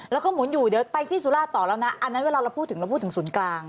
เราก็หมุนอยู่เดี๋ยวไปที่สุราตน์ต่อแล้วนะอันนั้นเวลาพูดถึงพูดถึงสุนกลาง